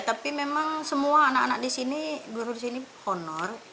tapi memang semua anak anak di sini guru di sini honor